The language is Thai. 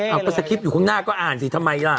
เอาก็สคริปต์อยู่ข้างหน้าก็อ่านสิทำไมล่ะ